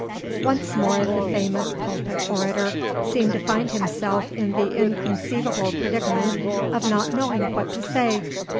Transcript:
Once more the famous pulpit orator seemed to find himself in the inconceivable predicament of not knowing what to say.